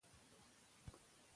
هغه د نورو دینونو منلو ته خلاص دی.